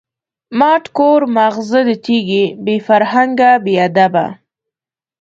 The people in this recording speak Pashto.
ماټ کور ماغزه د تیږی، بی فرهنگه بی ادبه